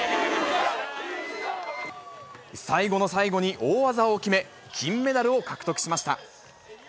最後の最後に大技を決め、金メダルを獲得しました。